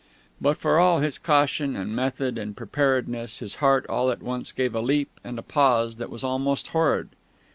But for all his caution and method and preparedness, his heart all at once gave a leap and a pause that was almost horrid.